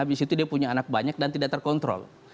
abis itu dia punya anak banyak dan tidak terkontrol